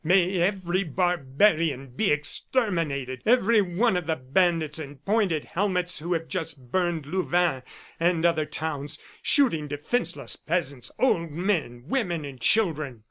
"May every barbarian be exterminated! ... every one of the bandits in pointed helmets who have just burned Louvain and other towns, shooting defenceless peasants, old men, women and children!"